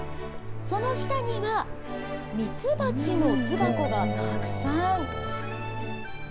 その下には、蜜蜂の巣箱がたくさん。